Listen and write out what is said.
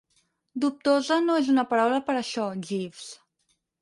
Dubtosa no és una paraula per a això, Jeeves.